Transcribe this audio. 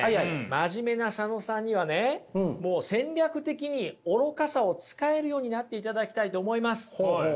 真面目な佐野さんにはねもう戦略的に愚かさを使えるようになっていただきたいと思います。